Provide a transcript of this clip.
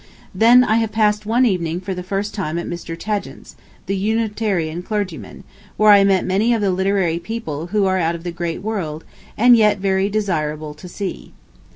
... Then I have passed one evening for the first time at Mr. Tagent's, the Unitarian clergyman, where I met many of the literary people who are out of the great world, and yet very desirable to see.